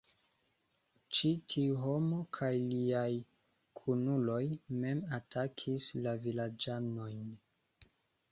Ĉi tiu homo kaj liaj kunuloj mem atakis la vilaĝanojn.